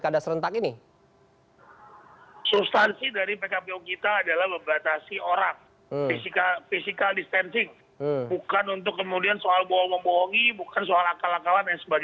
bukan untuk kemudian soal membohongi bukan soal membohongi bukan soal akal akal